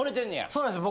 そうなんです